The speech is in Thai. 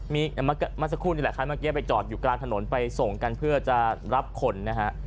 เมื่อสักครู่นี่แหละค่ะเมื่อกี้ไปจอดอยู่กลางถนนไปส่งกันเพื่อจะรับคนนะฮะ